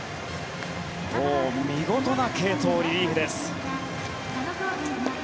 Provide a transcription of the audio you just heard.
もう見事な継投、リリーフです。